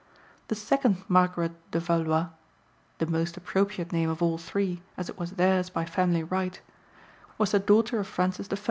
The second Margaret de Valois (the most appropriate name of all three, as it was theirs by family right) was the daughter of Francis I.